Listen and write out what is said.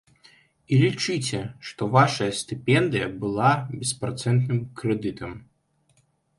І лічыце, што вашая стыпендыя была беспрацэнтным крэдытам!